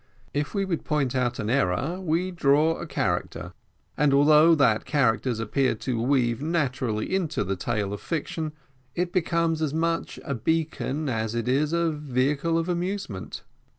If we would point out an error, we draw a character, and although that character appears to weave naturally into the tale of fiction, it becomes as much a beacon, as is a vehicle of amusement.